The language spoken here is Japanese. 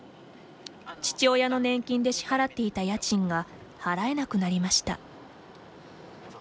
父親の年金で支払っていた家賃が払えなくなりました。